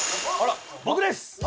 僕です！